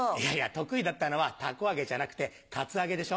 得意だったのは凧揚げじゃなくてカツアゲでしょ？